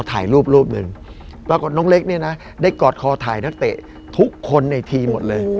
เด็กนี้นะได้กอดคอถ่ายนักเตะทุกคนในทีมหมดเลย